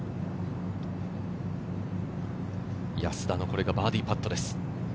安田のこれがバーディーパットです。